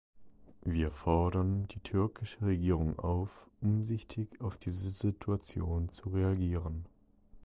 Wir fordern die türkische Regierung auf, umsichtig auf diese Situation zu reagieren.